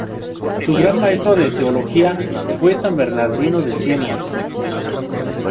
Su gran maestro de teología fue San Bernardino de Siena.